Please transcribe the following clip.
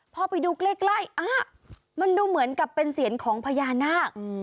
พอไปดูใกล้มันดูเหมือนกับเป็นเสียงของพญานาค